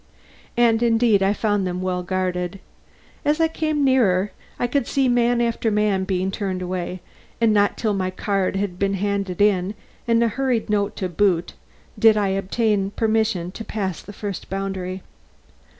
And indeed I found them well guarded. As I came nearer, I could see man after man being turned away, and not till my card had been handed in, and a hurried note to boot, did I obtain permission to pass the first boundary.